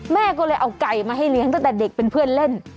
แม่ก็เลยเอาไก่มาให้เลี้ยงตั้งแต่เด็กเป็นเพื่อนเล่น